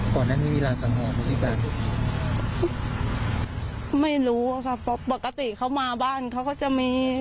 ก่อนนั้นไม่มีหลานสังหวังไม่รู้อ่ะค่ะปกติเขามาบ้านเขาก็จะมี